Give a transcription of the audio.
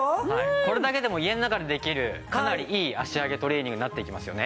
これだけでも家の中でできるかなりいい足上げトレーニングになってきますよね。